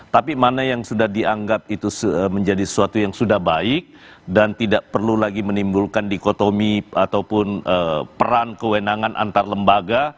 tapi mana yang sudah dianggap itu menjadi sesuatu yang sudah baik dan tidak perlu lagi menimbulkan dikotomi ataupun peran kewenangan antar lembaga